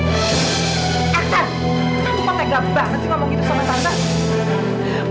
kenapa tante gak bahas sih ngomong gitu sama tante